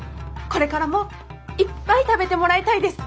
これからもいっぱい食べてもらいたいです。